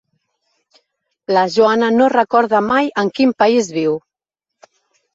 La Joana no recorda mai en quin país viu.